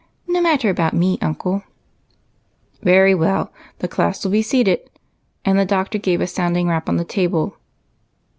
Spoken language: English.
IS^o matter about me, uncle." " Very well ; the class will please be seated," and the Doctor gave a sounding rap on the table.